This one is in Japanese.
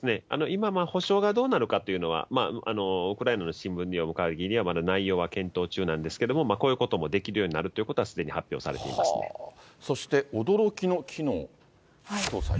今、まだ補償がどうなるかというのは、ウクライナの新聞を読むかぎりは内容はまだ検討中なんですけれども、こういうこともできるようになるということは、すでに発表さそして、驚きの機能搭載。